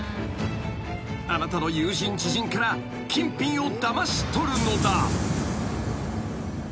［あなたの友人知人から金品をだましとるのだ］